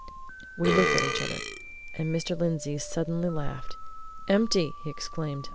We looked at each other. And Mr. Lindsey suddenly laughed. "Empty!" he exclaimed.